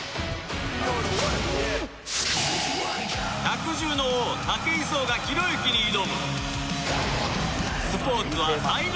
百獣の王武井壮がひろゆきに挑む！